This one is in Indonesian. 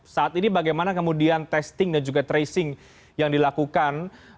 saat ini bagaimana kemudian testing dan juga tracing yang dilakukan